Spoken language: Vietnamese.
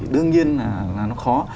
đương nhiên là nó khó